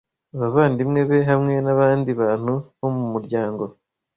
Abavandimwe be hamwe n’abandi bantu bo mu muryango